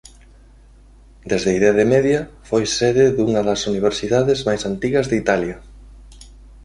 Desde a Idade Media foi sede dunha das universidades máis antigas de Italia.